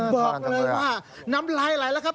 บอกเลยว่าน้ำไล่อะไรล่ะครับ